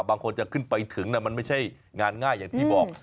บางคนจะขึ้นไปถึงมันไม่ใช่งานง่ายอย่างที่บอก